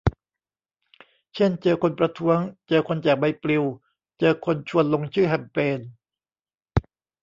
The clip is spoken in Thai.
เช่น เจอคนประท้วง เจอคนแจกใบปลิว เจอคนชวนลงชื่อแคมเปญ